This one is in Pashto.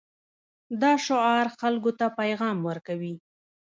دا شعار خلکو ته پیغام ورکوي.